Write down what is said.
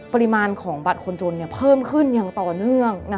ปริมาณของบัตรคนจนเพิ่มขึ้นอย่างต่อเนื่อง